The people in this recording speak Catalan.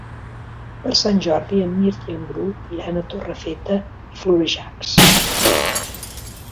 Per Sant Jordi en Mirt i en Bru iran a Torrefeta i Florejacs.